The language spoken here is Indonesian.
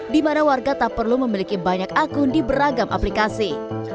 di mana warga tak perlu memiliki banyak akun di beragam aplikasi